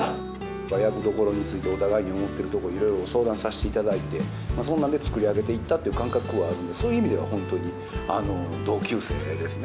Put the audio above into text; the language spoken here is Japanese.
役どころについて、お互いに思ってるところを、いろいろ相談させていただいて、そんなんで作り上げていったっていう感覚があるので、そういう意味では、本当に同級生ですね。